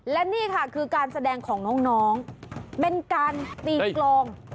และนี่ค่ะคือการแสดงของน้องเป็นการตีกลอง